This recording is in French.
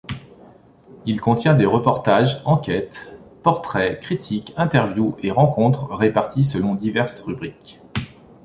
Il contient des reportages, enquêtes, portraits, critiques, interviews et rencontres, répartis selon diverses rubriques.